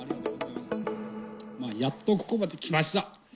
やっとここまできました。